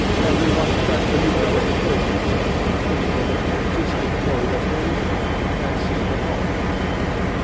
Every one pressed the new comer to place himself on the pinnacle of the existing mode at Berlin, and see the Hollandress.